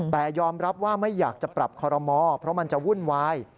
แต่ยอมรับว่าไม่อยากจะปรับคอรมอเพราะมันจะวุ่นวาย